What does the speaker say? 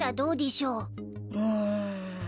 うん。